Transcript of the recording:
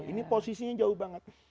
ini posisinya jauh banget